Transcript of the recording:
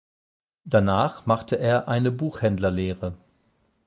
Danach machte er eine Buchhändlerlehre.